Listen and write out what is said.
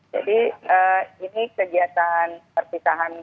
jadi ini kegiatan perpisahan